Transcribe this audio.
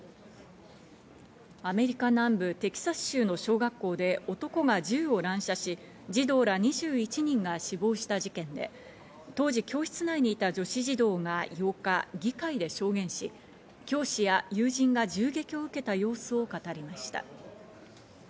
アメリカ南部テキサス州の小学校で男が銃を乱射し、児童ら２１人が死亡した事件で、当時、教室内にいた女子児童が８日、議会で証言し、教師や友人が銃撃を受けた様子を語りました。